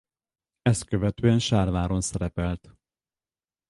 Ezt követően Sárváron szerepelt.